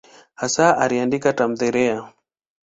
Hasa aliandika tamthiliya.